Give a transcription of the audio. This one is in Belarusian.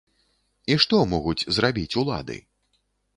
І што могуць зрабіць улады?